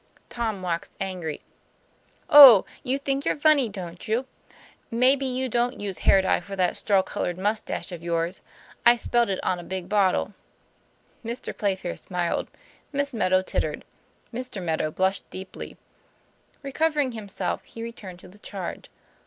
Tom waxed angry. "Oh! you think you're funny, don't you? May be you don't use hair dye for that straw colored mus tache of yours I spelled it on a big bottle." Mr. Playfair smiled, Miss Meadow tittered, Mr. Meadow blushed deeply. Recovering himself, he returned to the charge.